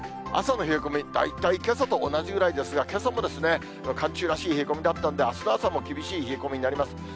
朝の冷え込み、大体けさと同じぐらいですが、けさも寒中らしい冷え込みだったんで、あすの朝も厳しい冷え込みになります。